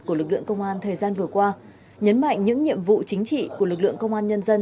của lực lượng công an thời gian vừa qua nhấn mạnh những nhiệm vụ chính trị của lực lượng công an nhân dân